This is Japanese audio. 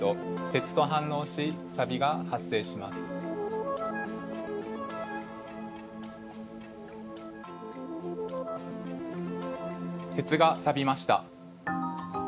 鉄がさびました。